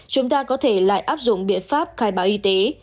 chúng ta có thể lại áp dụng biện pháp khai báo y tế